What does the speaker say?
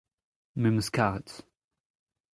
me'm eus karet.